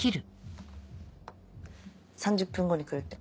３０分後に来るって。